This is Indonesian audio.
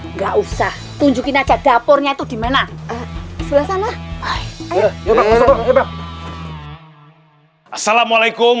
nggak usah tunjukin aja dapurnya itu di mana selesai hai selesai hai assalamualaikum